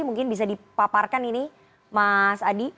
mungkin bisa dipaparkan ini mas adi